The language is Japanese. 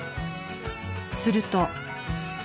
すると。